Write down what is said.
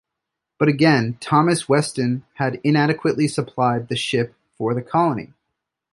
But again, Thomas Weston had inadequately supplied the ship for the colony.